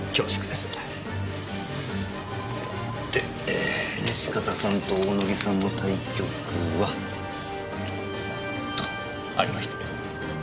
でえー西片さんと大野木さんの対局は。ありました。